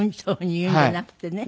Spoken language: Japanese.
言うんじゃなくて。